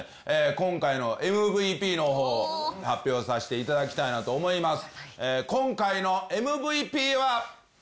今回のＭＶＰの方を発表させていただきたいなと思います